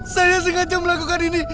saya sengaja melakukan ini